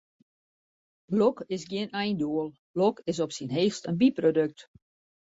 Lok is gjin eindoel, lok is op syn heechst in byprodukt.